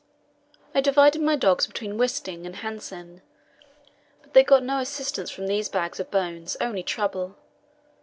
I had divided my dogs between Wisting and Hanssen, but they got no assistance from these bags of bones, only trouble.